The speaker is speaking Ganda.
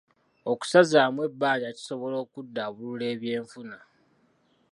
Okusazaamu ebbanja kisobola okuddaabulula ebyenfuna?